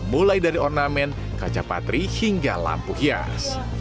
mulai dari ornamen kaca patri hingga lampu hias